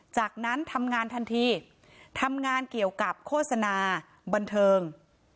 จากนั้นทำงานทันทีทำงานเกี่ยวกับโฆษณาบันเทิง